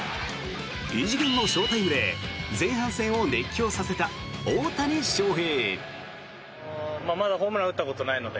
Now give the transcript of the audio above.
異次元のショータイムで前半戦を熱狂させた大谷翔平。